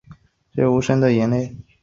只有无声的泪